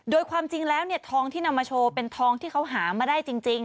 โดยความจริงแล้วเนี่ยทองที่นำมาโชว์เป็นทองที่เขาหามาได้จริง